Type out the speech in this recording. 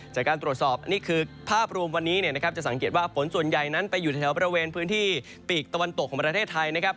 จากการตรวจสอบนี่คือภาพรวมวันนี้จะสังเกตว่าฝนส่วนใหญ่นั้นไปอยู่แถวบริเวณพื้นที่ปีกตะวันตกของประเทศไทยนะครับ